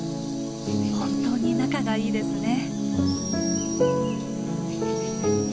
本当に仲がいいですね。